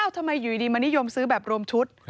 ทำไมอยู่ดีมานิยมซื้อแบบรวมชุด